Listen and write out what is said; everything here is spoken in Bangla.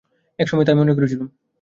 এক সময়ে তাই মনে করেছিলুম।